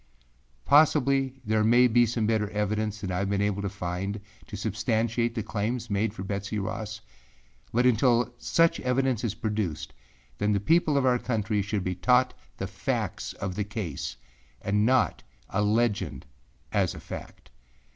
Possibly there may be some better evidence than I have been able to find to substantiate the claims made for Betsey Ross; but until such evidence is produced, then the people of our country should be taught the facts of the case and not a legend as a fact.